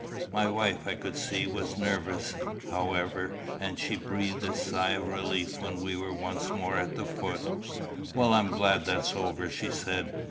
My wife, I could see, was nervous, however; and she breathed a sigh of relief when we were once more at the foot. "Well, I'm glad that's over," she said.